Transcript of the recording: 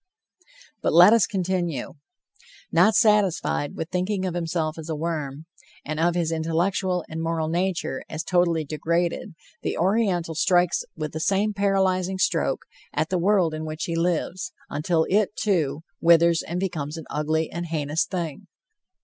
But let us continue. Not satisfied with thinking of himself as a worm, and of his intellectual and moral nature as totally degraded, the Oriental strikes with the same paralyzing stroke, at the world in which he lives, until it, too, withers and becomes an ugly and heinous thing.